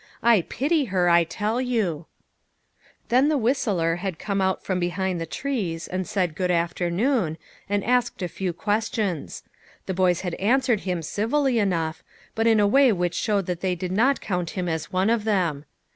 I pity her, I tell you." Then the whistler had come out from behind the trees, and said good afternoon, and asked a few questions. The boys had answered him civilly enough, but in a way which showed that NEW FRIENDS. 77 they did not count him as one of them.